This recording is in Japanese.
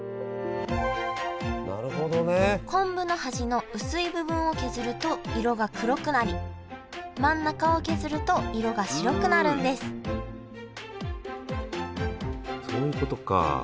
昆布の端の薄い部分を削ると色が黒くなり真ん中を削ると色が白くなるんですそういうことか。